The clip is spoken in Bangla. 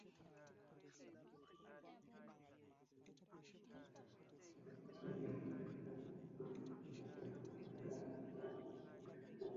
এটি ভারতের পশ্চিমবঙ্গ রাজ্যের নদীয়া জেলার কল্যাণী শিল্পাঞ্চল রোডে অবস্থিত।